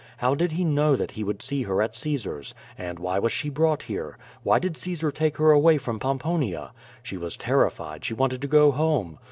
How did he know that he would see her at Caesar's? and why was she brought here? Why did Caesar take her away from Pom ponia? She was terrified, she wanted to go home.